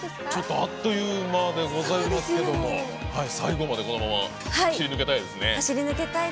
あっという間でございますけども最後まで、このまま走り抜けたいですね。